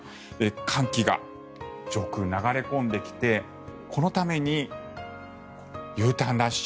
寒気が上空、流れ込んできてこのためにＵターンラッシュ